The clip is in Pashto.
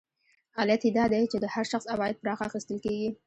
علت یې دا دی چې د هر شخص عواید پراخه اخیستل کېږي